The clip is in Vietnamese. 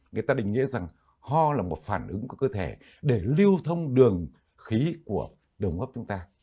người ta định nghĩa rằng ho là một phản ứng của cơ thể để lưu thông đường khí của đường hấp chúng ta